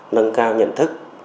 nâng cao nhận thức